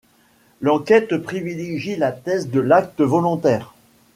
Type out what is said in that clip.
L'enquête privilégie la thèse de l'acte volontaire.